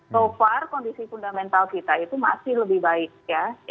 so far kondisi fundamental kita itu masih lebih baik ya